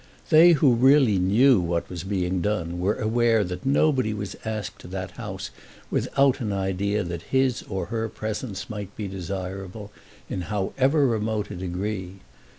They who really knew what was being done were aware that nobody was asked to that house without an idea that his or her presence might be desirable, in however remote a degree.